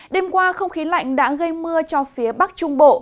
đêm qua không khí lạnh đã gây mưa cho phía bắc trung bộ